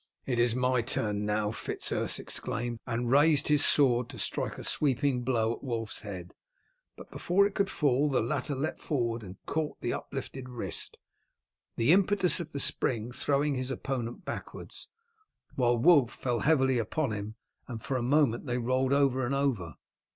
"It is my turn now!" Fitz Urse exclaimed, and raised his sword to strike a sweeping blow at Wulf's head, but before it could fall the latter leapt forward and caught the uplifted wrist, the impetus of the spring throwing his opponent backwards, while Wulf fell heavily upon him, and for a moment they rolled over and over.